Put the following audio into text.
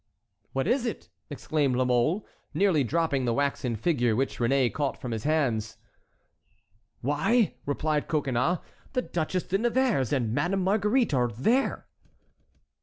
"What is it?" exclaimed La Mole, nearly dropping the waxen figure, which Réné caught from his hands. "Why," replied Coconnas, "the Duchesse de Nevers and Madame Marguerite are there!"